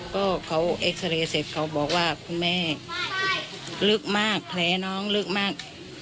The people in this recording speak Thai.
ก็เขาเอ็กซาเรย์เสร็จเขาบอกว่าคุณแม่ลึกมากแผลน้องลึกมาก